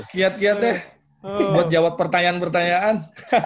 kiat kiat deh buat jawab pertanyaan pertanyaan